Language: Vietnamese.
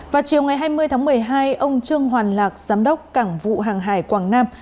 vào chiều ngày hai mươi tháng một mươi hai ông trương hoàn lạc giám đốc cảng vụ hàng hải quảng nam